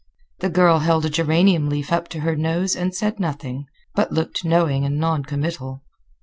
The girl held a geranium leaf up to her nose and said nothing, but looked knowing and noncommittal.